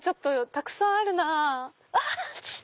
たくさんあるなぁ。